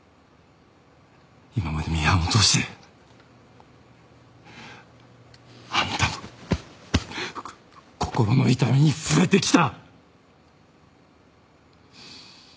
今までミハンを通してあんたの心の痛みに触れてきた。